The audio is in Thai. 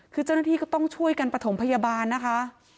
คือเจ้าหน้าที่ก็ต้องช่วยกันประถมพยาบาลนะคะ